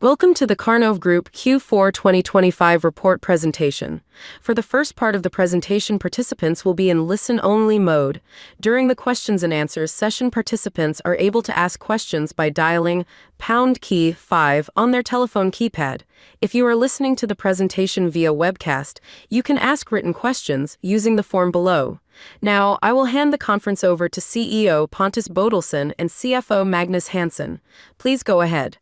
Welcome to the Karnov Group Q4 2025 Report Presentation. For the first part of the presentation, participants will be in listen only mode. During the questions and answers session, participants are able to ask questions by dialing key five on their telephone keypad. If you are listening to the presentation via webcast, you can ask written questions using the form below. Now I will hand the conference over to CEO Pontus Bodelsson and CFO Magnus Hansson. Please go ahead.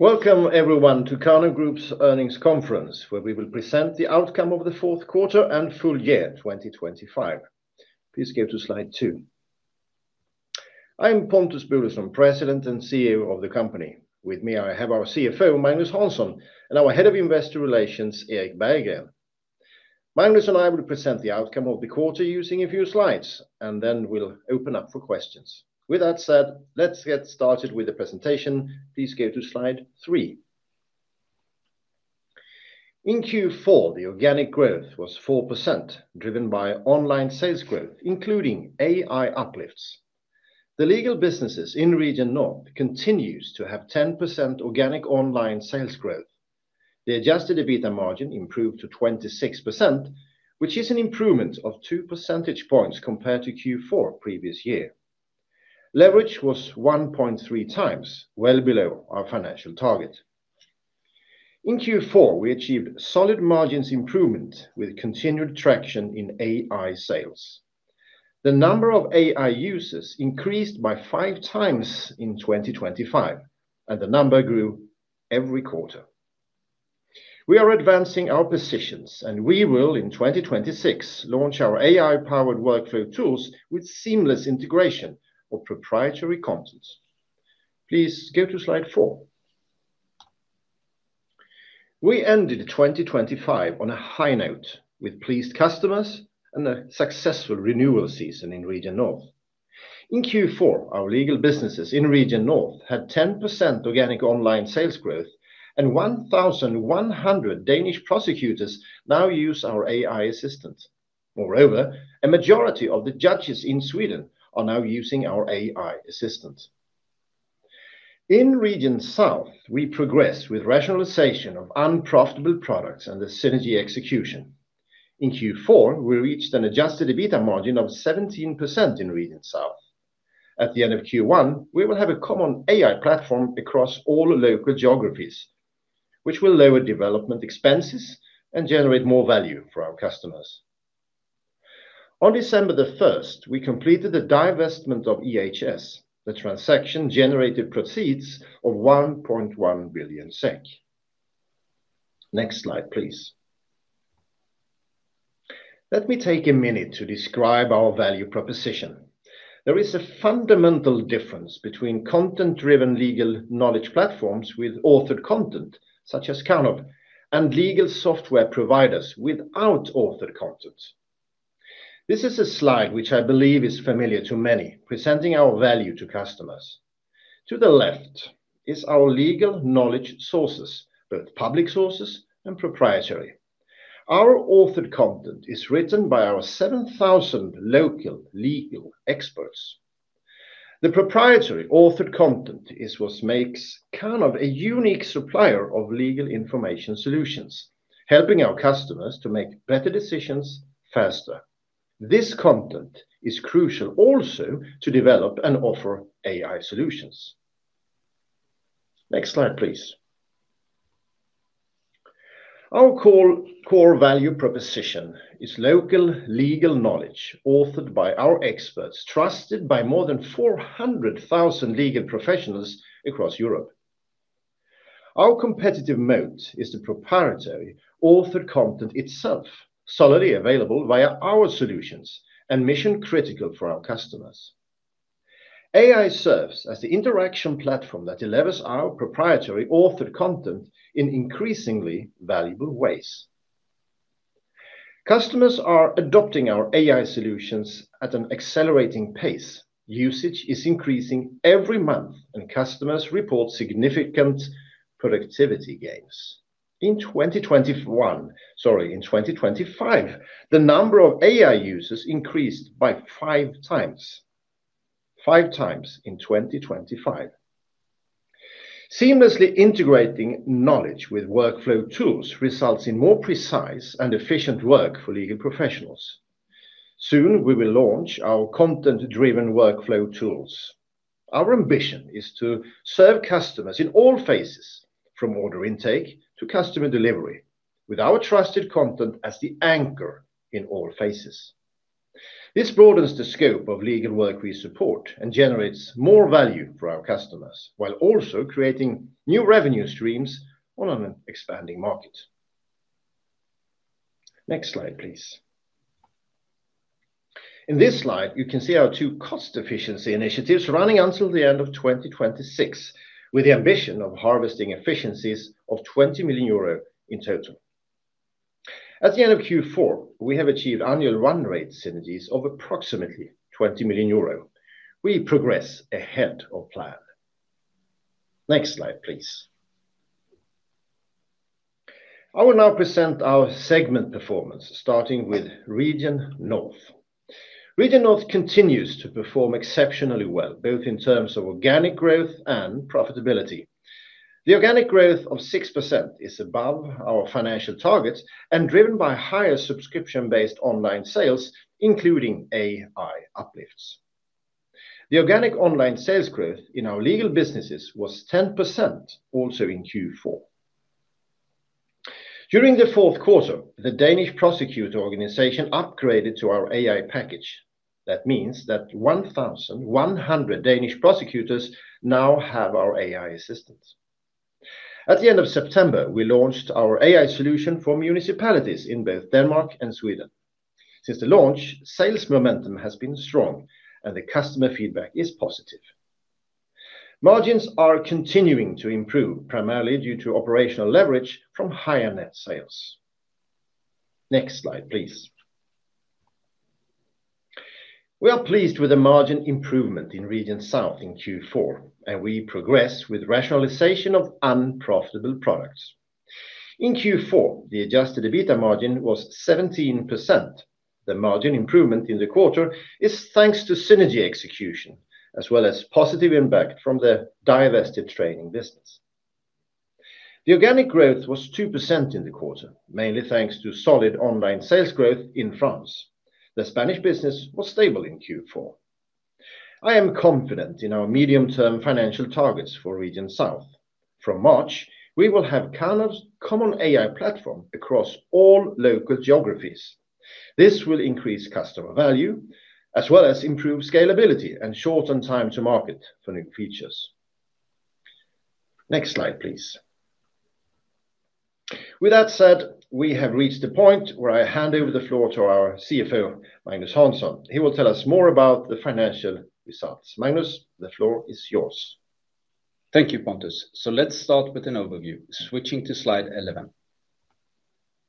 Welcome everyone to Karnov Group's Earnings Conference where we will present the outcome of the fourth quarter and full year 2025. Please go to Slide 2. I am Pontus Bodelsson, President and CEO of the company. With me I have our CFO Magnus Hansson and our Head of Investor Relations Erik Berggren. Magnus and I will present the outcome of the quarter using a few slides and then we'll open up for questions. With that said, let's get started with the presentation. Please go to slide 3. In Q4 the organic growth was 4% driven by online sales growth including AI uplifts. The legal businesses in Region North continues to have 10% organic online sales growth. The Adjusted EBITDA margin improved to 26% which is an improvement of 2 percentage points compared to Q4 previous year leverage was 1.3x, well below our financial target. In Q4 we achieved solid margins improvement with continued traction in AI sales. The number of AI users increased by 5x in 2025 and the number grew every quarter. We are advancing our positions and we will in 2026 launch our AI-powered workflow tools with seamless integration of proprietary contents. Please go to slide 4. We ended 2025 on a high note with pleased customers and a successful renewal season in Region North. In Q4 our legal businesses in Region North had 10% organic online sales growth and 1,100 Danish prosecutors now use our AI Assistant. Moreover, a majority of the judges in Sweden are now using our AI Assistant. In Region South we progressed with rationalization of unprofitable products and the synergy execution. In Q4 we reached an Adjusted EBITDA margin of 17% in Region South. At the end of Q1 we will have a Common AI Platform across all local geographies which will lower development expenses and generate more value for our customers. On December 1st we completed the divestment of EHS. The transaction generated proceeds of 1.1 billion SEK. Next slide please. Let me take a minute to describe our value proposition. There is a fundamental difference between content driven legal knowledge platforms with authored content such as Karnov and legal software providers without authored content. This is a slide which I believe is familiar to many presenting our value to customers. To the left is our legal knowledge sources, both public sources and proprietary. Our authored content is written by our 7,000 local legal experts. The proprietary authored content is what makes Karnov a unique supplier of legal information solutions, helping our customers to make better decisions faster. This content is crucial also to develop and offer AI solutions. Next slide please. Our core value proposition is local legal knowledge authored by our experts, trusted by more than 400,000 legal professionals across Europe. Our competitive moat is the proprietary authored content itself, solidly available via our solutions and mission critical for our customers. AI serves as the interaction platform that delivers our proprietary authored content in increasingly valuable ways. Customers are adopting our AI solutions at an accelerating pace. Usage is increasing every month and customers report significant productivity gains in 2021. Sorry, in 2025 the number of AI users increased by 5x in 2025. Seamlessly integrating knowledge with workflow tools results in more precise and efficient work for legal professionals. Soon we will launch our content driven workflow tools. Our ambition is to serve customers in all phases from order intake to customer delivery with our trusted content as the anchor in all phases. This broadens the scope of legal work. We support and generate more value for our customers while also creating new revenue streams on an expanding market. Next slide please. In this slide you can see our two cost efficiency initiatives running until the end of 2026 with the ambition of harvesting efficiencies of 20 million euro in total. At the end of Q4 we have achieved annual run rate synergies of approximately 20 million euro. We progress ahead of plan. Next slide please. I will now present our segment performance starting with Region North. Region North continues to perform exceptionally well both in terms of organic growth and profitability. The organic growth of 6% is above our financial targets and driven by higher subscription-based online sales including AI uplifts. The organic online sales growth in our legal businesses was 10% also in Q4. During the fourth quarter, the Danish Prosecutor Organization upgraded to our AI package. That means that 1,100 Danish prosecutors now have our AI Assistants. At the end of September, we launched our AI solution for municipalities in both Denmark and Sweden. Since the launch, sales momentum has been strong and the customer feedback is positive. Margins are continuing to improve primarily due to operational leverage from higher net sales. Next slide please. We are pleased with the margin improvement in Region South in Q4 and we progress with rationalization of unprofitable products in Q4. The adjusted EBITDA margin was 17%. The margin improvement in the quarter is thanks to synergy execution as well as positive impact from the divested training business. The organic growth was 2% in the quarter, mainly thanks to solid online sales growth in France. The Spanish business was stable in Q4. I am confident in our medium term financial targets for Region South. From March we will have Karnov's Common AI Platform across all local geographies. This will increase customer value as well as improve scalability and shorten time to market for new features. Next slide please. With that said, we have reached the point where I hand over the floor to our CFO Magnus Hansson. He will tell us more about the financial results. Magnus, the floor is yours. Thank you, Pontus. So, let's start with an overview. Switching to slide 11,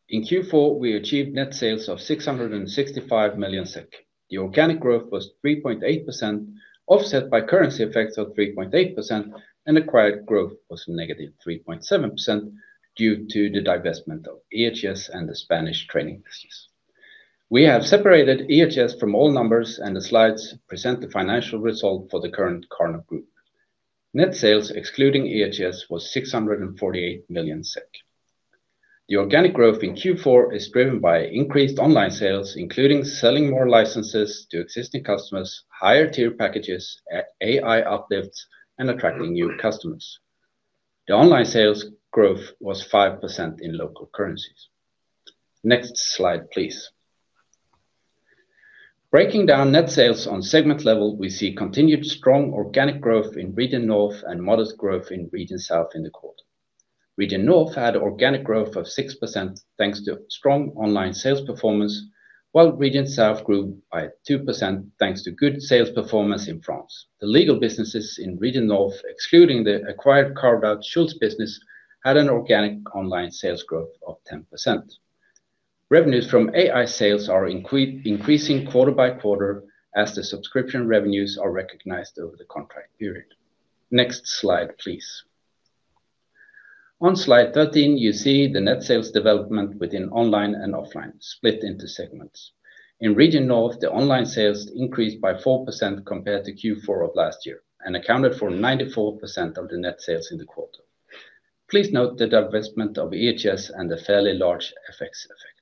in Q4 we achieved net sales of 665 million SEK. The organic growth was 3.8% offset by currency effects of 3.8% and acquired growth was negative 3.7% due to the divestment of EHS and the Spanish training business. We have separated EHS from all numbers and the slides present the financial result for the current Karnov Group net sales excluding EHS was 648 million SEK. The organic growth in Q4 is driven by increased online sales including selling more licenses to existing customers, higher tier packages, AI uplifts and attracting new customers. The online sales growth was 5% in local currencies. Next slide please. Breaking down net sales on segment level, we see continued strong organic growth in Region North and modest growth in Region South. In the quarter. Region North had organic growth of 6% thanks to strong online sales performance while Region South grew by 2% thanks to good sales performance in France. The legal businesses in Region North, excluding the acquired carved out Schultz business had an organic online sales growth of 10%. Revenues from AI sales are increasing quarter by quarter as the subscription revenues are recognized over the contract period. Next slide please. On Slide 13 you see the net sales development within online and offline split into segments. In Region North the online sales increased by 4% compared to Q4 of last year and accounted for 94% of the net sales in the quarter. Please note the divestment of EHS and a fairly large FX effect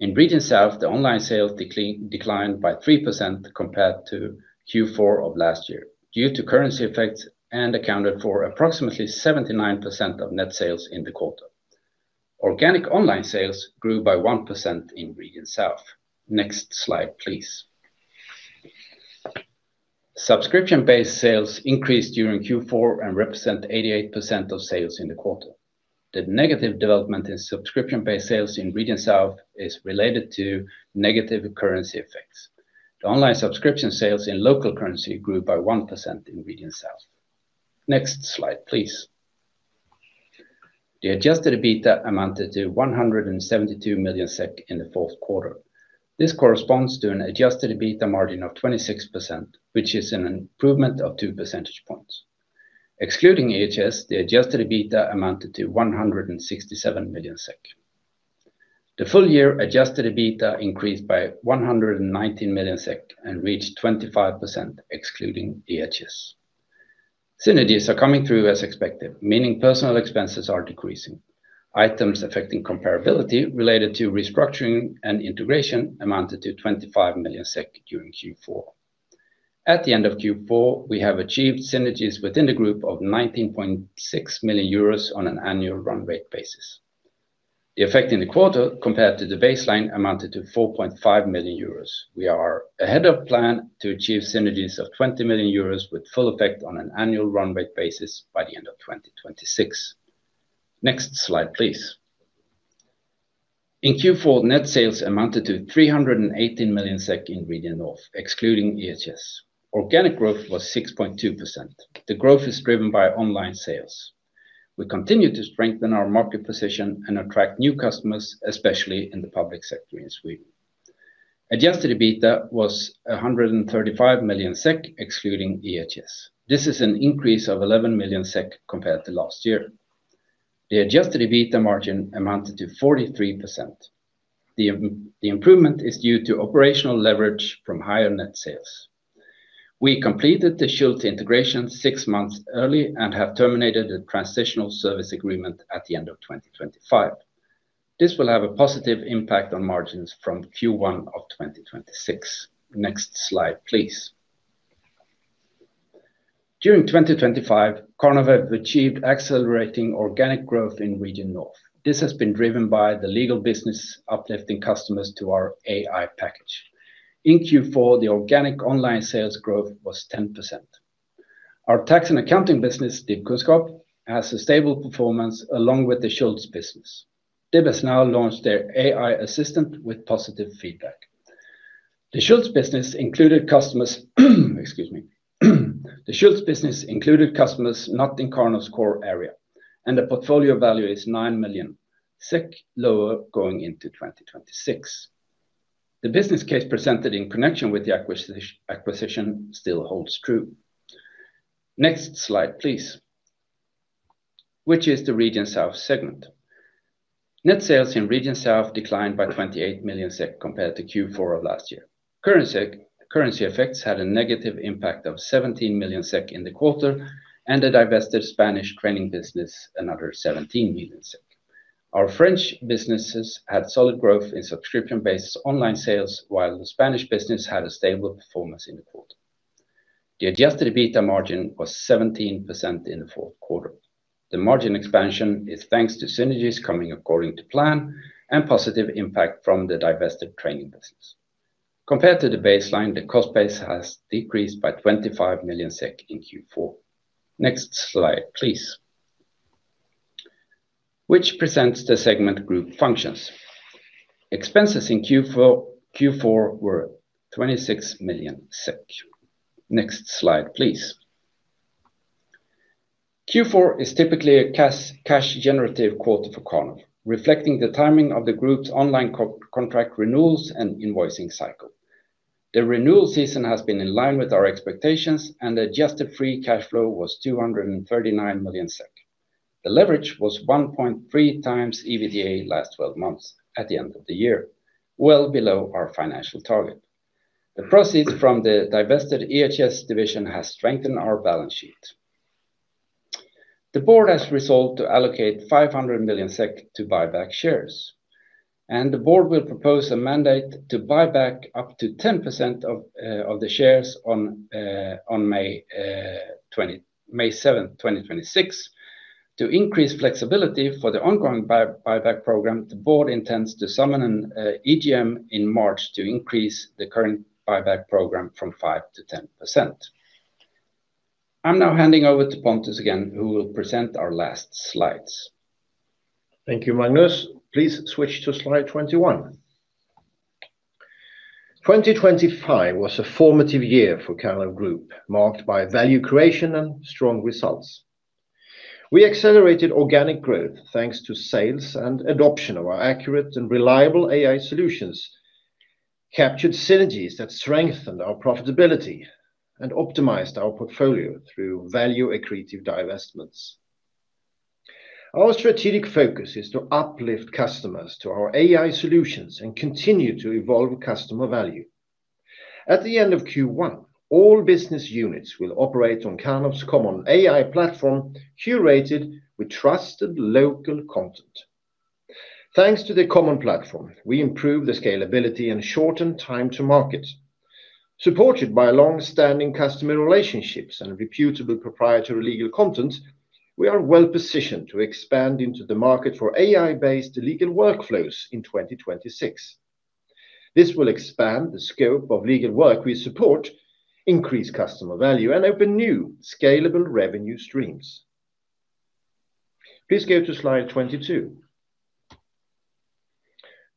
in Region South. The online sales declined by 3% compared to Q4 of last year due to currency effects and accounted for approximately 79% of net sales in the quarter. Organic online sales grew by 1% in Region South. Next slide please. Subscription-based sales increased during Q4 and represent 88% of sales in the quarter. The negative development in subscription-based sales in Region South is related to negative currency effects. The online subscription sales in local currency grew by 1% in Region South. Next slide please. The Adjusted EBITDA amounted to 172 million SEK in the fourth quarter. This corresponds to an Adjusted EBITDA margin of 26% which is an improvement of 2 percentage points. Excluding EHS, the Adjusted EBITDA amounted to 167 million SEK. The full year Adjusted EBITDA increased by 119 million SEK and reached 25% excluding EHS. Synergies are coming through as expected meaning personnel expenses are decreasing. Items affecting comparability related to restructuring and integration amounted to 25 million SEK during Q4. At the end of Q4 we have achieved synergies within the group of 19.6 million euros on an annual run rate basis. The effect in the quarter compared to the baseline amounted to 4.5 million euros. We are ahead of plan to achieve synergies of 20 million euros with full effect on an annual run rate basis by the end of 2026. Next slide please. In Q4, net sales amounted to 318 million SEK. Region North, excluding EHS, organic growth was 6.2%. The growth is driven by online sales. We continue to strengthen our market position and attract new customers especially in the public sector. In Sweden, Adjusted EBITDA was 135 million SEK excluding EHS, this is an increase of 11 million SEK compared to last year, the Adjusted EBITDA margin amounted to 43%. The improvement is due to operational leverage from higher net sales. We completed the Schultz integration six months early and have terminated a transitional service agreement at the end of 2025. This will have a positive impact on margins from Q1 of 2026. Next slide please. During 2025, Karnov achieved accelerating organic growth in Region North. This has been driven by the legal business uplifting customers to our AI package. In Q4, the organic online sales growth was 10%. Our tax and accounting business Dibkunnskap has a stable performance along with the Schultz business. Karnov has now launched their AI Assistant with positive feedback. The Schultz business included customers. Excuse me. The Schultz business included customers not in Karnov's core area and the portfolio value is 9 million SEK lower going into 2026. The business case presented in connection with the acquisition still holds true. Next slide please. Which is the Region South segment? Net sales in Region South declined by 28 million SEK compared to Q4 of last year. Currency effects had a negative impact of 17 million SEK in the quarter and the divested Spanish training business another 17 million SEK. Our French businesses had solid growth in subscription-based online sales while the Spanish business had a stable performance in the quarter. The Adjusted EBITDA margin was 17% in the fourth quarter. The margin expansion is thanks to synergies coming according to plan and positive impact from the divested training business. Compared to the baseline, the cost base has decreased by 25 million SEK in Q4. Next slide, please, which presents the segment group functions. Expenses in Q4 were 26 million SEK. Next slide please. Q4 is typically a cash generative quarter for Karnov, reflecting the timing of the group's online contract renewals and invoicing cycle. The renewal season has been in line with our expectations and adjusted free cash flow was 239 million SEK. The leverage was 1.3x EBITDA last 12 months at the end of the year, well below our financial target. The proceeds from the divested EHS division has strengthened our balance sheet. The Board has resolved to allocate 500 million SEK to buy back shares and the Board will propose a mandate to buy back up to 10% of the shares on May 7, 2026 to increase flexibility for the ongoing buyback program. The Board intends to summon an EGM in March to increase the current buyback program from 5%-10%. I'm now handing over to Pontus again who will present our last slides. Thank you. Magnus, please switch to slide 21. 2025 was a formative year for Karnov Group marked by value creation and strong results. We accelerated organic growth thanks to sales and adoption of our accurate and reliable AI solutions, captured synergies that strengthened our profitability and optimized our portfolio through value-accretive divestments. Our strategic focus is to uplift customers to our AI solutions and continue to evolve customer value. At the end of Q1, all business units will operate on Karnov’s Common AI Platform curated with trusted local content. Thanks to the common platform, we improve the scalability and shorten time to market. Supported by long-standing customer relationships and reputable proprietary legal content. We are well positioned to expand into the market for AI-based legal workflows in 2026. This will expand the scope of legal work we support, increase customer value and open new scalable revenue streams. Please go to slide 22,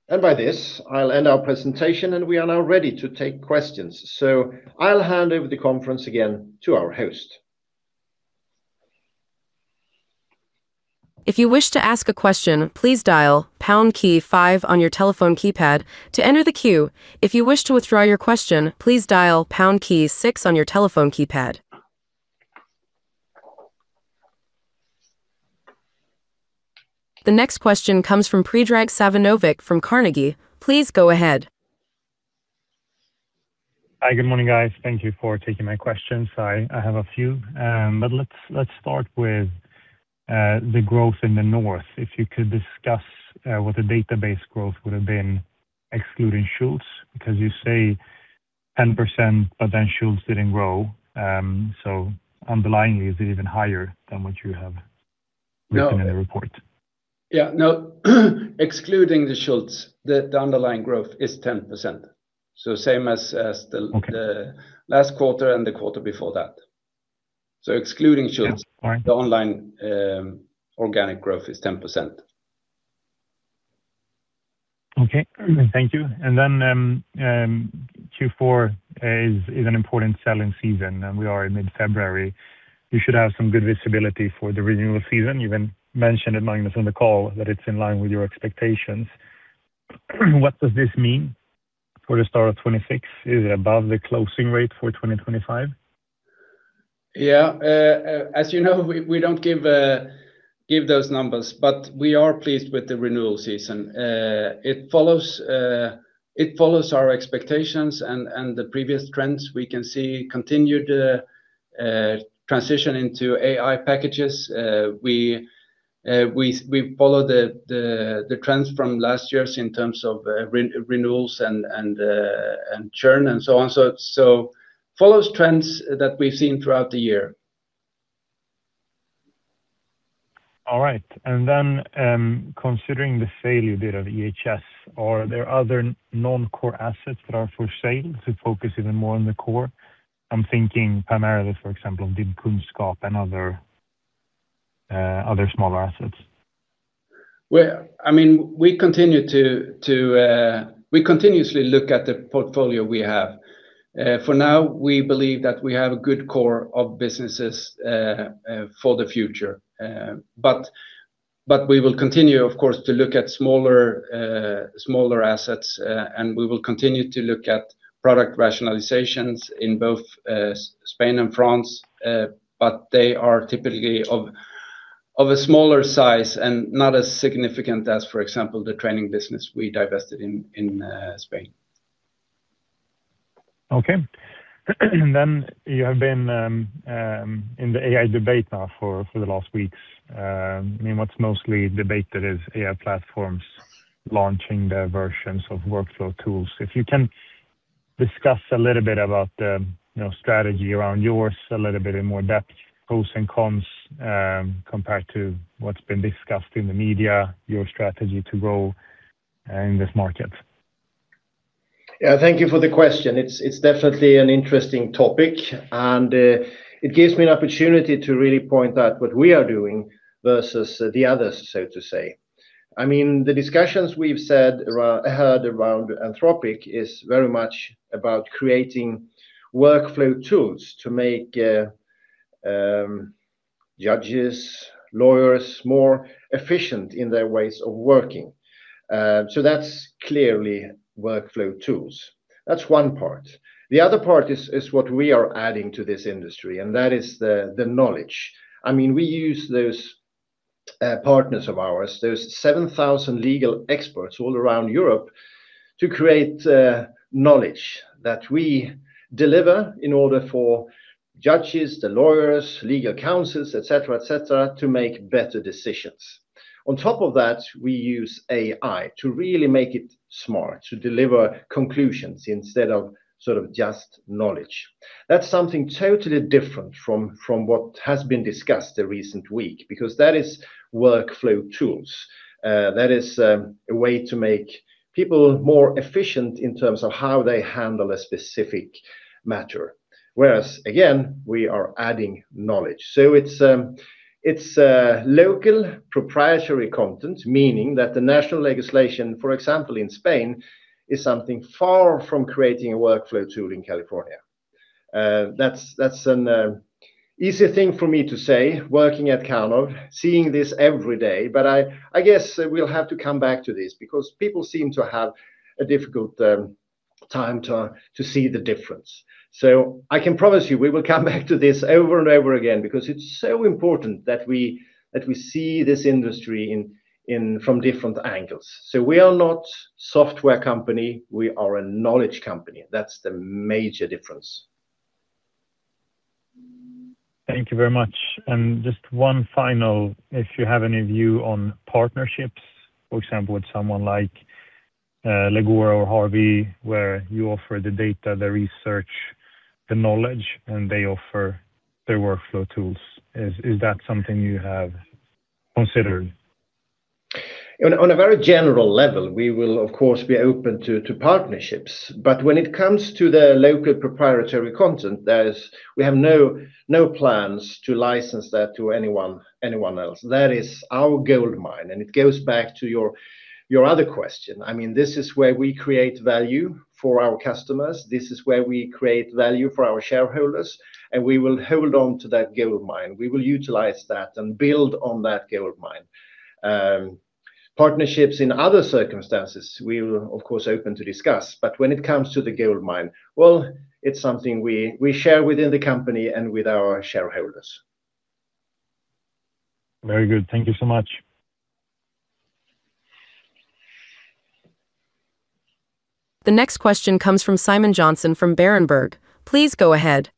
and with this I'll end our presentation, and we are now ready to take questions. So I'll hand over the conference again to our host. If you wish to ask a question. Please dial on your telephone keypad to enter the queue. If you wish to withdraw your question, please dial six on your telephone keypad. The next question comes from Predrag Savinovic from Carnegie. Please go ahead. Hi, good morning guys. Thank you for taking my questions. I have a few. But let's, let's start with the growth in the North. If you could discuss what the database growth would have been excluding Schultz because you say 10% but then Schultz didn't grow. So underlyingly, is it even higher than what you have written in the report? Yeah. No, excluding the Schultz, the underlying growth is 10%. So same as the last quarter and the quarter before that. So excluding Schultz, the online organic growth is 10%. Okay, thank you. And then Q4 is an important selling season and we are in mid February. You should have some good visibility for the renewal season. Even mentioned it, Magnus, on the call that it's in line with your expectations. What does this mean for the start of 2026? Is it above the closing rate for 2025? Yeah, as you know, we don't give those numbers, but we are pleased with the renewal season. It follows our expectations and the previous trends. We can see continued transition into AI packages. We follow the trends from last year's in terms of renewals and churn and so on. So follows trends that we've seen throughout the year. All right. And then considering the failure bit of EHS, are there other non-core assets that are for sale to focus even more on the core? I'm thinking primarily, for example, of DIBkunnskap and other smaller assets. Well, I mean we continue to, we continuously look at the portfolio we have. For now we believe that we have a good core of businesses for the future. But we will continue of course to look at smaller assets and we will continue to look at product rationalizations in both Spain and France, but they are typically of a smaller size and not as significant as for example the training business we divested in Spain. Okay. And then you have been in the AI debate now for the last weeks. I mean, what's mostly debated is AI platforms launching their versions of workflow tools. If you can discuss a little bit about the strategy around yours, a little bit in more depth, pros and cons compared to what's been discussed in the media. Your strategy to grow in this market? Thank you for the question. It's definitely an interesting topic and it gives me an opportunity to really point out what we are doing versus the others, so to say. I mean the discussions we've heard around Anthropic is very much about creating workflow tools to make judges, lawyers more efficient in their ways of working. So that's clearly workflow tools. That's one part. The other part is what we are adding to this industry and that is the knowledge. I mean, we use those partners of ours, there's 7,000 legal experts all around Europe to create knowledge that we deliver in order for judges, the lawyers, legal counsels, etc., etc., to make better decisions. On top of that, we use AI to really make it smart to deliver conclusions instead of sort of just knowledge. That's something totally different from what has been discussed the recent week. Because that is workflow tools. That is a way to make people more efficient in terms of how they handle a specific matter. Whereas again, we are adding knowledge. It's local proprietary content, meaning that the national legislation, for example, in Spain is something far from creating a workflow tool in California. That's an easy thing for me to say working at Karnov, seeing this every day. But I guess we'll have to come back to this because people seem to have a difficult time to see the difference. I can promise you we will come back to this over and over again because it's so important that we see this industry from different angles. We are not software company, we are a knowledge company. That's the major difference. Thank you very much. Just one final. If you have any view on partnerships, for example with someone like Leya or Harvey, where you offer the data, the research, the knowledge and they offer their workflow tools, is that something you have? Considered on a very general level? We will of course be open to partnerships, but when it comes to the local proprietary content, we have no plans to license that to anyone, anyone else. That is our gold mine. And it goes back to your, your other question. I mean this is where we create value for our customers. This is where we create value for our shareholders. And we will hold on to that gold mine. We will utilize that and build on that gold mine partnerships. In other circumstances we of course open to discuss. But when it comes to the gold mine, well, it's something we, we share within the company and with our shareholders. Very good, thank you so much. The next question comes from Simon Jonsson from Berenberg. Please go ahead.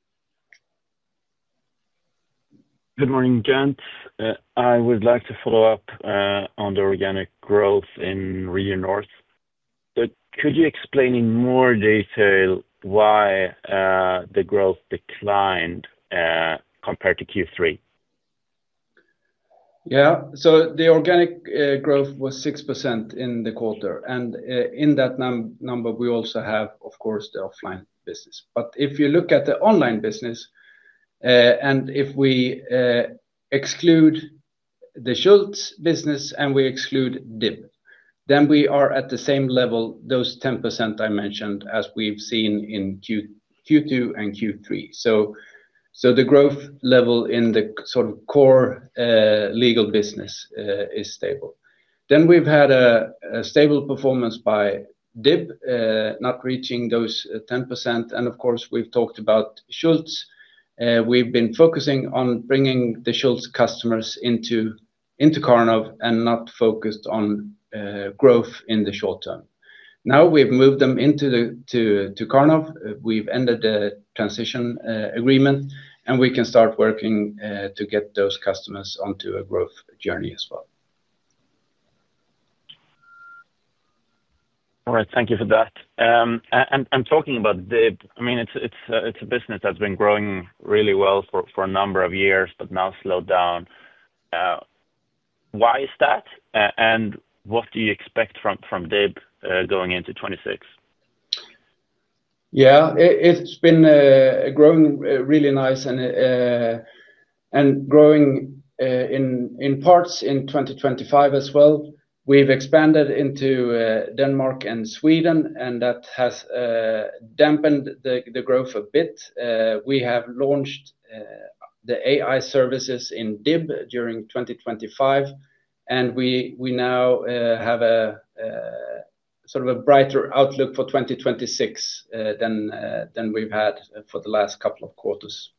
Good morning, Gents. I would like to follow up on the organic growth in Region North. Could you explain in more detail why the growth declined compared to Q3? Yeah, so the organic growth was 6% in the quarter and in that number we also have, of course, the offline business, but if you look at the online business and if we exclude the Schultz business and we exclude DIB, then we are at the same level those 10% I mentioned, as we've seen in Q3, Q2 and Q3. So the growth level in the sort of core legal business is stable. Then we've had a stable performance by DIB not reaching those 10%. And of course we've talked about Schultz. We've been focusing on bringing the Schultz customers into Karnov and not focused on growth in the short term. Now we've moved them into Karnov, we've ended the transition agreement and we can start working to get those customers onto a growth journey as well. All right, thank you for that. Talking about DIBkunnskap, I mean, it's a business that's been growing really well for a number of years, but now slowed down. Why is that and what do you expect from DIBkunnskap going into 2026? Yeah, it's been growing really nice and growing in parts in 2025 as well. We've expanded into Denmark and Sweden, and that has dampened the growth a bit. We have launched the AI services in DIB during 2025, and we now have a sort of a brighter outlook for 2026 than we've had for the last couple of quarters.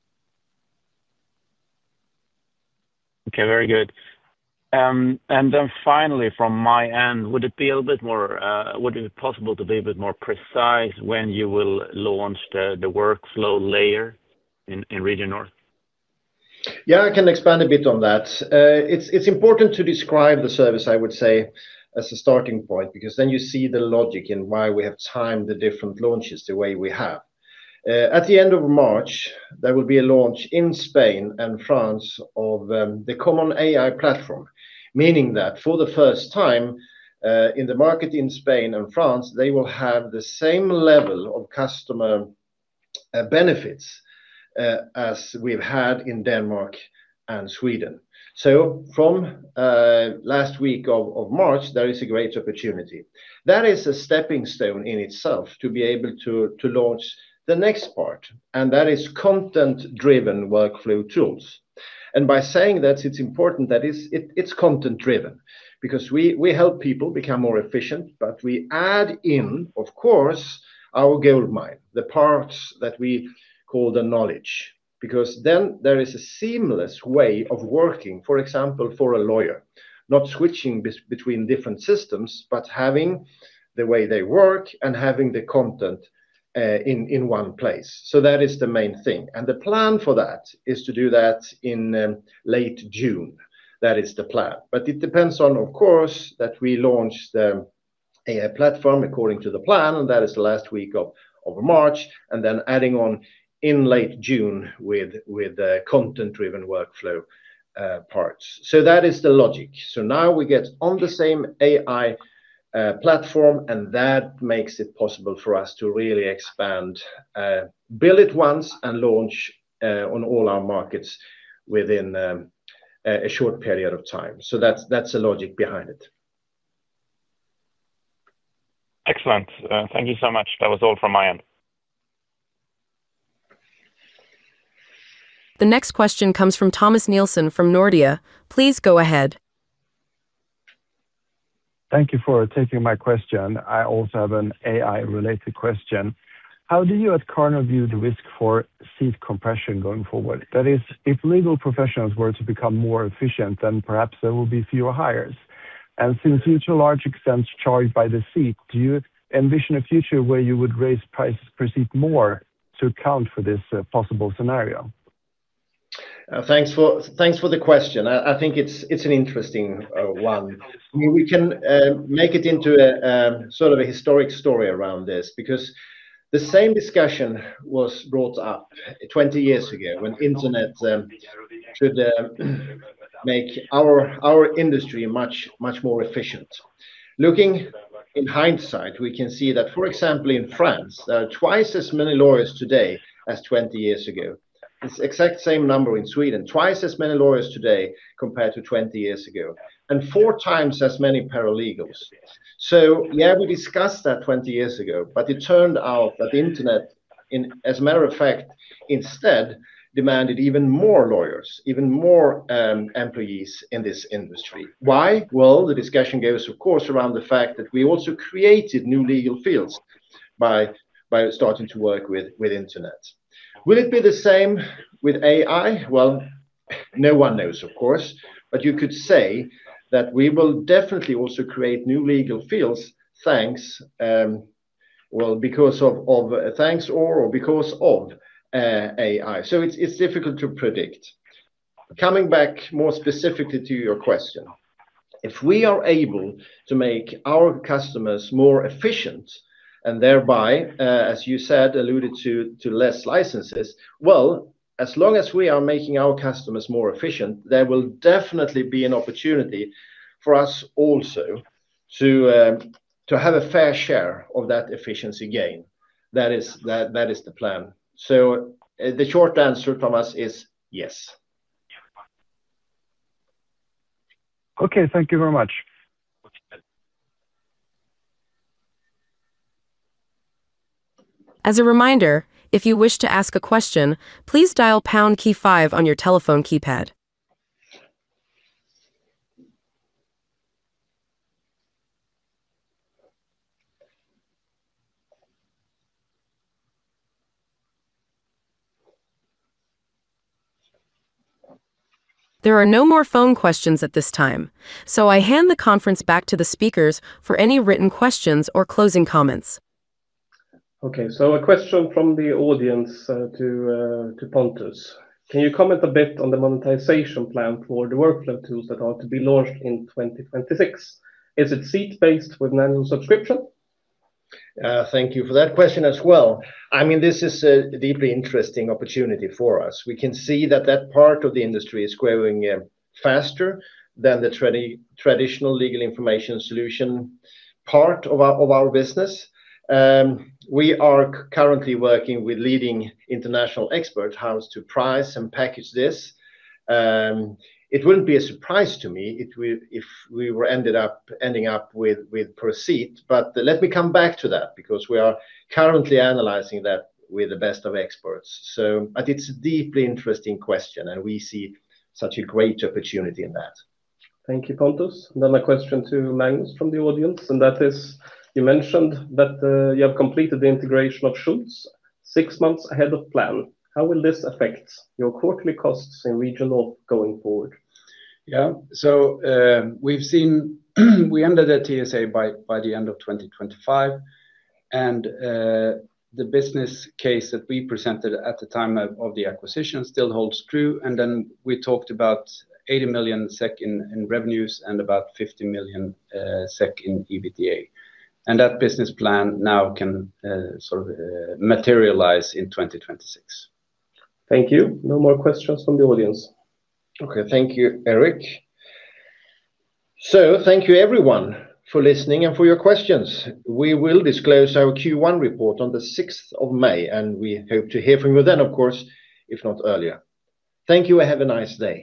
Okay, very good. Then finally from my end, would it be a little bit more. Would it be possible to be a bit more precise when you will launch the workflow layer in Region North? Yeah, I can expand a bit on that. It's important to describe the service, I would say, as a starting point, because then you see the logic in why we have timed the different launches the way we have. At the end of March, there will be a launch in Spain and France of the Common AI Platform, meaning that for the first time in the market in Spain and France, they will have the same level of customer benefits as we've had in Denmark and Sweden. So from last week of March, there is a great opportunity that is a stepping stone in itself to be able to launch the next part, and that is content driven workflow tools. And by saying that it's important that it's content driven because we help people become more efficient, but we add in, of course, our gold mine, the parts that we call the knowledge, because then there is a seamless way of working, for example, for a lawyer, not switching between different systems, but having the way they work and having the content in one place. So that is the main thing and the plan for that is to do that in late June. That is the plan. But it depends on, of course, that we launch the AI platform according to the plan, and that is the last week of March and then adding on in late June with content driven workflow parts. So that is the logic. So now we get on the same AI platform and that makes it possible for us to really expand, build it once, and launch on all our markets within a short period of time. So that's the logic behind it. Excellent. Thank you so much. That was all from my end. The next question comes from Thomas Nielsen from Nordea. Please go ahead. Thank you for taking my question. I also have an AI related question. How do you at Karnov view the risk for seat compression going forward? That is, if legal professionals were to become more efficient and perhaps there will be fewer hires. And since you to a large extent charged by the seat, do you envision a future where you would raise prices per seat more to account for this possible scenario? Thanks for the question. I think it's an interesting one. We can make it into sort of a historic story around this because the same discussion was brought up 20 years ago when internet should make our industry much more efficient. Looking in hindsight, we can see that, for example, in France, there are twice as many lawyers today as 20 years ago. It's the exact same number in Sweden. Twice as many lawyers today compared to 20 years ago and 4x as many paralegals. So yeah, we discussed that 20 years ago, but it turned out that the internet, as a matter of fact, instead demanded even more lawyers, even more employees in this industry. Why? Well, the discussion gave us, of course, around the fact that we also created new legal fields by starting to work with internet. Will it be the same with AI? Well, no one knows, of course, but you could say that we will definitely also create new legal fields. Thanks. Well, because. Thanks or because of AI. So it's difficult to predict. Coming back more specifically to your question, if we are able to make our customers more efficient and thereby, as you said alluded to less licenses, well, as long as we are making our customers more efficient, there will definitely be an opportunity for us also to have a fair share of that efficiency gain. That is the plan. So the short answer, Thomas, is yes. Okay, thank you very much. As a reminder, if you wish to ask a question, please dial key five on your telephone keypad. There are no more phone questions at this time, so I hand the conference back to the speakers for any written questions or closing comments. Okay, so a question from the audience to Pontus. Can you comment a bit on the monetization plan for the workflow tools that are to be launched in 2026? Is it seat based with an annual subscription? Thank you for that question as well. I mean, this is a deeply interesting opportunity for us. We can see that that part of the industry is growing faster than the traditional legal information solution part of our business. We are currently working with leading international expert house to price and package this. It wouldn't be a surprise to me if we ended up with per seat. But let me come back to that because we are currently analyzing that with the best of experts. But it's a deeply interesting question and we see such a great opportunity in that. Thank you, Pontus. Then a question to Magnus from the audience. That is, you mentioned that you have completed the integration of Schultz six months ahead of plan. How will this affect your quarterly costs in regions going forward? Yeah, so we've seen we ended the TSA by the end of 2025 and the business case that we presented at the time of the acquisition still holds true. And then we talked about 80 million SEK in revenues and about 50 million SEK in EBITDA. And that business plan now can sort of materialize in 2026. Thank you. No more questions from the audience. Okay, thank you, Erik. So thank you everyone for listening and for your questions. We will disclose our Q1 report on 6 May, and we hope to hear from you then, of course, if not earlier. Thank you and have a nice day.